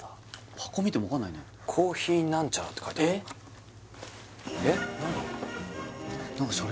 箱見ても分かんないねコーヒー何ちゃらって書いてある何だこれ？